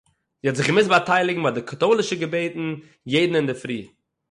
זי האָט זיך געמוזט באַטייליגן ביי די קאַטוילישע געבעטן יעדן אינדערפרי